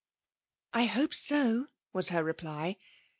" I hope so," was her reply.